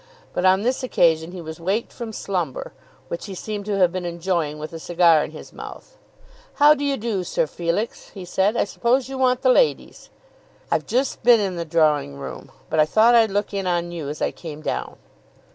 But on this occasion he was waked from slumber, which he seemed to have been enjoying with a cigar in his mouth. "How do you do, Sir Felix?" he said. "I suppose you want the ladies." "I've just been in the drawing room, but I thought I'd look in on you as I came down."